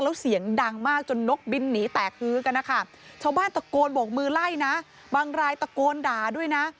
แล้วเสียงดังมากจนนกบินหนีแตกฮือกันนะคะชาวบ้านตะโกนบกมือไล่นะบางรายตะโกนด่าด้วยนะ